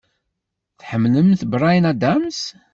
Tḥemmlemt Bryan Adams?